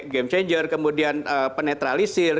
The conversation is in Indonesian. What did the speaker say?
game changer kemudian penetralisir